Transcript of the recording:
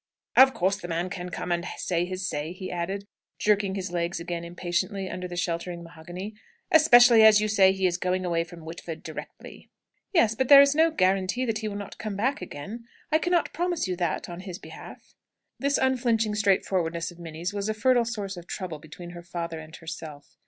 "Of course the man can come and say his say," he added, jerking his legs again impatiently under the sheltering mahogany, "especially as you say he is going away from Whitford directly." "Yes; but there is no guarantee that he will not come back again. I cannot promise you that, on his behalf." This unflinching straightforwardness of Minnie's was a fertile source of trouble between her father and herself.